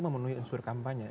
memenuhi unsur kampanye